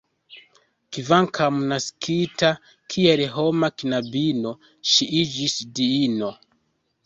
Kvankam naskita kiel homa knabino, ŝi iĝis diino.